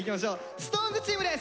ＳｉｘＴＯＮＥＳチームです！